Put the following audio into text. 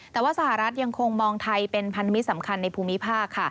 แต่ว่าสหรัฐยังคงมองไทยเป็นพันมิตรสำคัญในภูมิภาค